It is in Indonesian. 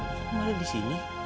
kamu ada disini